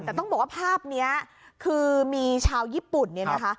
แต่ต้องบอกว่าภาพนี้คือมีชาวญี่ปุ่นเนี่ยนะคะ